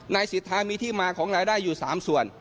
นายสิทธามีที่มาของรายได้อยู่๓ส่วน